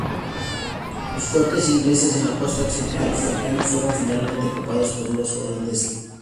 Los fuertes ingleses en la costa occidental africana fueron finalmente ocupados por los holandeses.